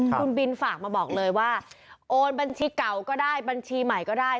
คุณบินฝากมาบอกเลยว่าโอนบัญชีเก่าก็ได้บัญชีใหม่ก็ได้